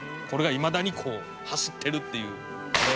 「これがいまだに走ってるっていう」